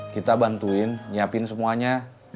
kita bantuin nyiapin semuanya